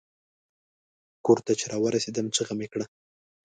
کور ته چې را ورسیدم چیغه مې کړه.